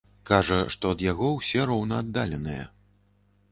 Кажа, што ад яго ўсе роўнааддаленыя.